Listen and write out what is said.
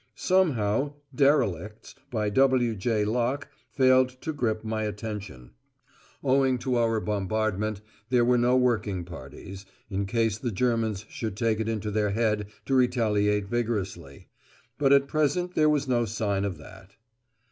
Somehow "Derelicts" by W. J. Locke failed to grip my attention. Owing to our bombardment, there were no working parties, in case the Germans should take it into their head to retaliate vigorously. But at present there was no sign of that.